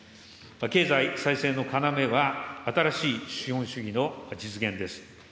経済再生の要は、新しい資本主義の実現です。